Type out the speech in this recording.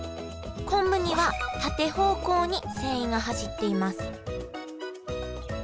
昆布には縦方向に繊維が走っています